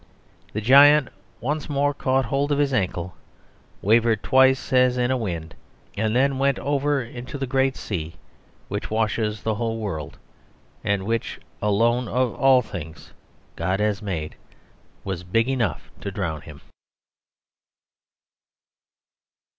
The giant once more caught hold of his ankle, wavered twice as in a wind, and then went over into the great sea which washes the whole world, and which, alone of all things God has made, was big enough to drown him.